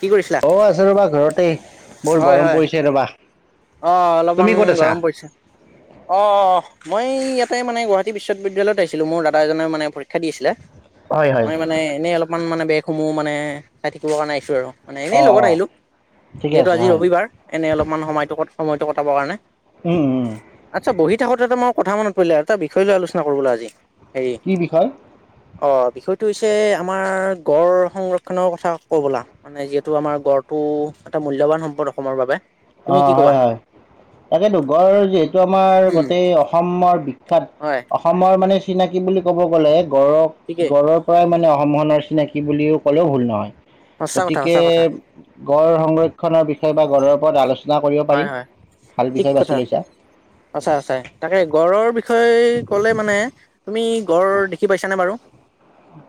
কি কৰিছিলা? অ', আছে ৰ'বা ঘৰতেই। বৰ হয় গৰম হয়। পৰিছে ৰ'বা। অ', অলপমান তুমি ক'ত আছা গৰম পৰিছে। অ', অ', অ'। মই, ইয়াতে মানে গুৱাহাটী বিশ্বত বিশ্ববিদ্যালয়ত আহিছিলো। মোৰ দাদা এজনেও মানে, পৰীক্ষা দি আছিলে। হয় হয় মই মানে এনেই অলপমান মানে বেগসমূহ মানে চাই থাকিব কাৰণে আহিছো আৰু। মানে এনেই অ লগত অ আহিলোঁ। ঠিকে যিহেতু আছে আজি হয় ৰবিবাৰ, এনেই অলপমান সময়টো ক সময়টো কটাবৰ কাৰণে। উম উম আটছা বহি থাকোতে এটা মই কথা মনত পৰিলে, এটা বিষয় লৈ আলোচনা কৰোঁ ব'লা আজি। হেৰি কি বিষয়? অ', বিষয়টো হৈছে আমাৰ গড় সংৰক্ষনৰ কথা কও ব'লা, মানে যিহেতু আমাৰ গড়টো টো এটা মূল্যবান সম্পদ অসমৰ বাবে। তুমি অ', কি ক'বা? হয়, হয়। তাকেতো গড় যিহেতু আমাৰ উম, গোটেই অসমৰ বিখ্যাত, হয় অসমৰ মানে চিনাকি বুলি কব গলে গড়ক ঠিকে গড়ৰ পৰাই মানে মনৰ চিনাকি বুলিও ক'লে ভুল নহয়। সঁচা কথা গতিকে সঁচা কথা গড় সংৰক্ষণৰ বিষয়ে বা গড়ৰ ওপৰত আলোচ হয়, হয়, ঠিক কথা, লৈছা আচা আচাই, তাকে গড়ৰ বিষ বিষয় ক'লে মানে, তুমি গঁড় দেখি পাইছানে বাৰু?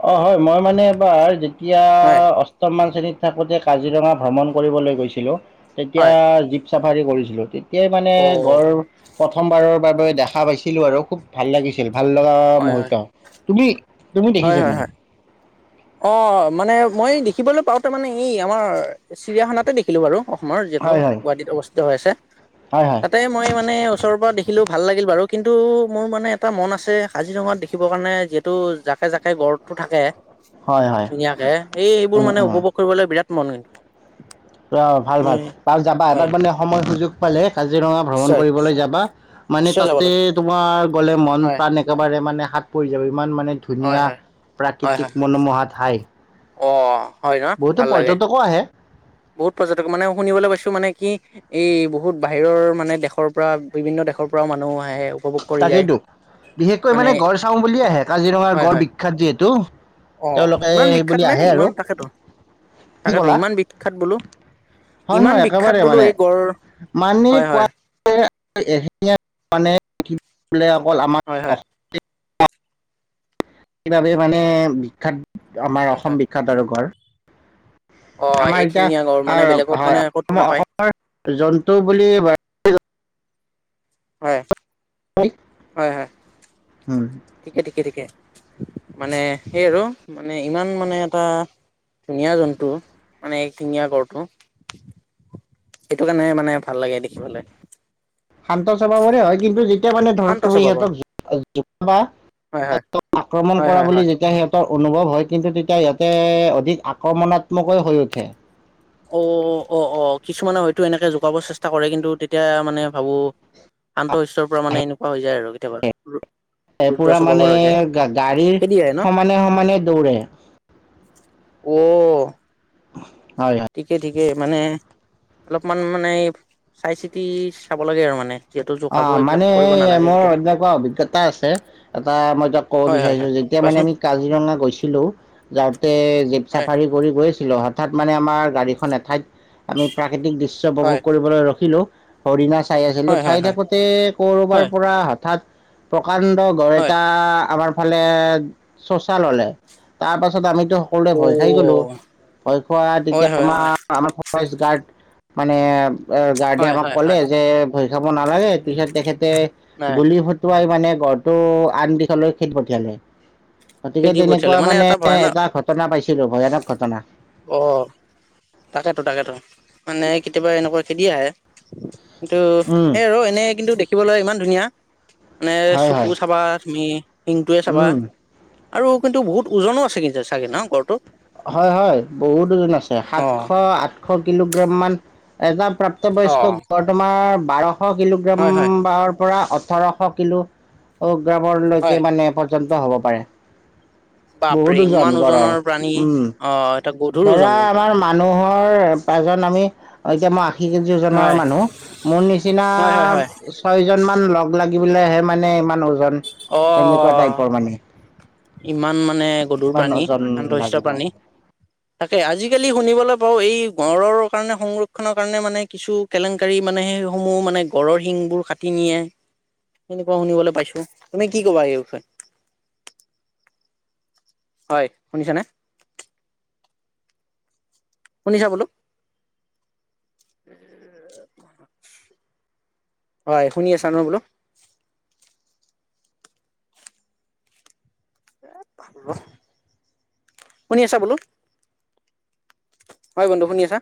অ', হয় মই মানে এবাৰ যেতিয়া হয় অষ্টমমান শ্ৰেণীত থাকোতে কাজিৰঙা ভ্ৰমণ কৰিবলৈ গৈছিলোঁ, তেতিয়া হয় জীপ চাফাৰী কৰিছিলোঁ। তেতিয়াই মানে অ গড় প্ৰথমবাৰৰ বাবে দেখা পাইছিলো আৰু খুব ভাল লাগিছিল। ভাল লগা হয় মুহূৰ্ত। হয় তুমি, তুমি হয় দেখিছা হয় নাই? হয় অ', মানে মই দেখিবলৈ পাওঁতে মানে এই আমাৰ চিৰিয়াখানাতে দেখিলো বাৰু। অসমৰ যিহেতু হয় হয় গুৱাহাটীত অৱস্থিত হৈ আছে। হয় হয় তাতে মই মানে ওচৰৰ পৰা দেখিলো ভাল লাগিল বাৰু। কিন্তু মোৰ মানে এটা মন আছে কাজিৰঙাত দেখিবৰ কাৰণে যিহেতু জাকে জাকে গড়টো থাকে, হয় হয় ধুনীয়াকে, এই এইবোৰ উম মানে উপভোগ কৰিবলৈ বিৰাট [unintelligible] অ', ভাল মই ভাল তাক যাবা হয় এবাৰ মানে সময় সুযোগ পালে কাজিৰঙা ভ্ৰমণ নিশ্চয় কৰিবলৈ যাবা। মানে নিশ্চয় যাব তাতে লাগিব তোমাৰ গ'লে হয়, মন-প্ৰাণ একেবাৰে মানে সাত পৰি যাব ইমান মানে হয়, ধুনীয়া হয়, হয়, প্ৰাকৃতিক হয়, মনোমোহা ঠাই। অ', হয় ন' বহুতো ভাল লাগে। পৰ্যটকো আহে বহুত পৰ্যটক মানে শুনিবলৈ পাইছো মানে কি, এই বহুত বাহিৰৰ মানে দেশৰ পৰা বিভিন্ন দেশৰ পৰাও মানুহ আহে। উপভোগ কৰি যায়। তাকেইতো, বিশেষকৈ মানে গড় চাওঁ বুলিয়ে আহে, কাজিৰঙাৰ হয়, গড় হয়, বিখ্যাত যিহেতু। অ', তেওঁলোকে ইমান সেই বিখ্যাত বুলি নে, আহে আৰু ইমান তাকেতো, কি তাকেতো ক'লা ইমান বিখ্যাত বোলো। হয়, ইমান হয়, বিখ্যাত একেবাৰে বোলো মানে, এই গড় মানি হয়, হয়, কোৱা [unintelligible] মানে [unintelligible] বোলে অকল আমাক হয়, হয়, [unintelligible] সেইবাবে মানে বিখ্যাত, আমাৰ হয়, হয়, অসম বিখ্যাত আৰু গঁড়। অ', আমাৰ এতিয়া, এইখিঙীয়া গড় মানে হয়, বেলেগত মানে ক'তো অসমৰ নাপায় অসমৰ জন্তু বুলি [unintelligible] হয়, হয়, হয়, উম, ঠিকে ঠিকে ঠিকে। মানে সেই আৰু মানে ইমান মানে এটা ধুনীয়া জন্তু, মানে এশিঙীয়া গঁড়টো সেইটো কাৰণে মানে ভাল লাগে দেখিবলে। শান্ত স্বভাৱৰে হয় কিন্তু যেতিয়া মানে ধৰক শান্ত তুমি স্বভাৱৰ সিহঁতক জো জোকাবা, হয় হয় [unintelligible] আক্ৰমণ হয় কৰা হয় বুলি হয়। যেতিয়া সিহঁতৰ অনুভৱ হয় কিন্তু তেতিয়া ইয়াতে, অধিক আক্ৰমণাত্মকেই হৈ উঠে। অ', অ', অ', কিছুমানে হয়তো এনেকে জোকাব চেচ কৰে কিন্তু তেতিয়া মানে ভাবো, শান্ত শিষ্টৰ পৰা মানে এনেকুৱা হৈ যায় আৰু কেতিয়াবা। ৰুদ্ৰ পুৰা মানে স্বভাৱৰ হৈ যায় গাড়ীৰ খেদি আহে ন সমানে সমানে দৌৰে। অহ। হয়। ঠিকে। [unintelligible] [unintelligible] মানে, অলপমান মানে, চাই চিতি চাব লাগে আৰু মানে। যিহেতু জোকাব অ', এইবিলাক মানে কৰিব এই নালাগে মোৰ কেতিয়াও এনেকুৱা অভিজ্ঞতা আছে, এটা মই তক কব হয় হয় বিচাৰিছো হয় যেতিয়া কোৱাচোন আমি কাজিৰঙা গৈছিলো যাওঁতে জিপ হয় চাফাৰী কৰি গৈ হঠাৎ মানে আমাৰ গাড়ীখন এঠাইত আমি প্ৰাকৃতিক দৃশ্য উপভোগ হয় কৰিবলৈ ৰখিলো। হৰিণা চাই আছিলো হয় হয় চাই হয় থাকোতে কৰবাৰ হয় পৰা হঠাৎ প্ৰকাণ্ড গৰ হয় এটা আমাৰ ফালে চোচা ললে তাৰপাছত আমি সকলোৱে অ ভয় খাই গলো ভয় খোৱা হয় তেতিয়া হয় আমাৰ হয় আমাৰ গাৰ্ড মানে গাৰ্ডে হয় আমাক হয় কলে হয় যে ভয় খাব নালাগে পিছত তেখেতে নাই গুলি মানে ঘৰটো আন দিশলৈ খেদি পঠিয়ালে। গতিকে খেদি পঠিয়ালে তেনেকুৱা মানে ভয়ানক এটা ঘটনা পাইছিলো ভয়ানক ঘটনা । অ তাকেতো তাকেতো মানে কেতিয়াবা এনেকুৱা খেদি আহে । কিন্তু উম সেই আৰু এনে কিন্তু দেখিবলৈ ইমান ধুনীয়া। মানে হয় চকু হয় চাবা তুমি শিংটোৱে চাবা উম আৰু কিন্তু বহুত ওজনো আছে কিন্তু। চাগে ন গড়টো হয় হয় বহুত দুজন আছে অ সাতশ আঠ এশ কিলোগ্ৰাম মান এটা অ প্ৰাপ্তবয়স্ক বৰ্তমাৰ বাৰ হয় হয় কিলোগ্ৰামৰ পৰা ওঠৰশ কিলো হয় গ্ৰামৰলৈকে মানে পৰ্যন্ত হ'ব পাৰে। বাপৰে বহুত ওজন ইমান ওজনৰ প্ৰাণী উম, অ এটা গধুৰ ওজন ধৰা কিন্তু আমাৰ মানুহৰ এজন আমি এতিয়া মই হয় আ হয় হয় হয় [unintelligible] লাগ পাইহে মানে ইমান উজন অ' ইমান মানে গধুৰ ইমান প্ৰাণী। ওজন সাটোষ্ট লাগিব প্ৰাণী। তাকে আজিকালি শুনিবলৈ পাও এই গড়ৰ কাৰণে সংৰক্ষনৰৰ কাৰণে মানে কিছু কেলেংকাৰী মানে সেই সমূহ মানে গড়ৰ শিংবোৰ কাটি নিয়ে সেনেকুৱা শুনিবলৈ পাইছো। তুমি কি কবা এই বিষয়ে? হয় শুনিছা নে? শুনিছা বোলো। [inaudible] হয় শুনি আছা ন বোলো । শুনি আছা বোলো । হয় বন্ধু শুনি আছা?